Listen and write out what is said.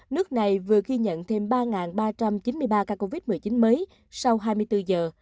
nước này vừa ghi nhận thêm ba ba trăm chín mươi ba ca covid một mươi chín mới sau hai mươi bốn giờ